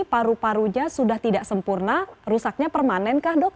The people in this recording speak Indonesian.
paru parunya sudah tidak sempurna rusaknya permanen kah dok